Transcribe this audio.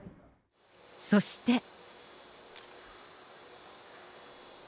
そして。